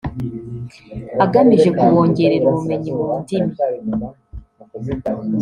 agamije kubongerera ubumenyi mu ndimi